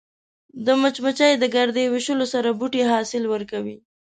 مچمچۍ د ګردې ویشلو سره بوټي حاصل ورکوي